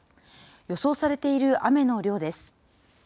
予想されている雨の量です。